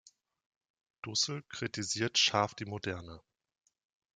Dussel kritisiert scharf die Moderne.